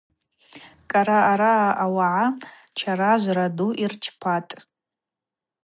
Къара араъа ауагӏа чаражвра ду йзырчпатӏ.